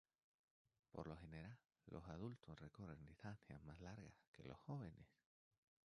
Por lo general, los adultos recorren distancias más largas que los jóvenes.